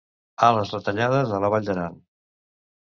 Ales retallades a la Vall d'Aran.